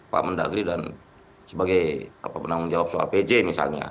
pak mendagri dan sebagai penanggung jawab soal pj misalnya